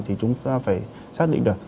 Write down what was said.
thì chúng ta phải xác định được